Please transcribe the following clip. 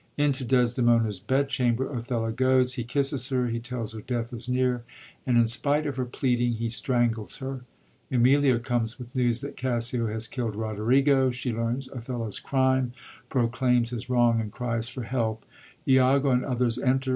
Into Desdemona's bed chamber Othello goes; he kisses her; he tells her death is near, and, in spite of her pleading, he strangles her. Emilia comes with news that Cassio has killd Roderigo. She learns Othello's crime, proclaims his wrong, and cries for help. lago and others enter.